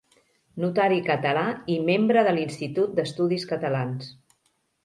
Notari català i membre de l'Institut d'Estudis Catalans.